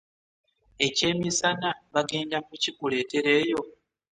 Ekyemisana bagenda kukikuleetera eyo?